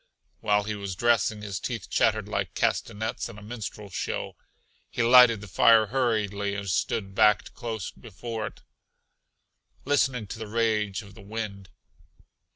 While he was dressing his teeth chattered like castanets in a minstrel show. He lighted the fire hurriedly and stood backed close before it, listening to the rage of the wind.